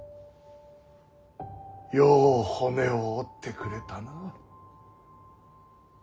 よう骨を折ってくれたな。